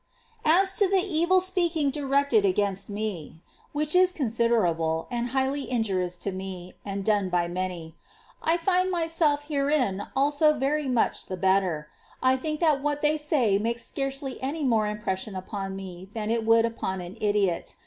4. As to the evil speaking directed against me, ^^^..^ Insensibility — which is considerable, and highly injurious to me, to detrac tion. and done by many, — I find myself herein also very much the better. I think that what they say makes scarcely any more impression upon me than it would upon an idiot.